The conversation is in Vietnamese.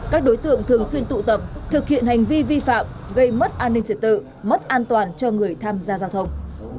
các đối tượng thường xuyên tụ tập thực hiện hành vi vi phạm gây mất an ninh trật tự mất an toàn cho người tham gia giao thông